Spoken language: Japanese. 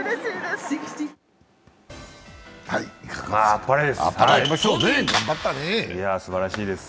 あっぱれです！